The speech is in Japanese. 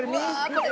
これ。